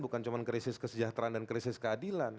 bukan cuma krisis kesejahteraan dan krisis keadilan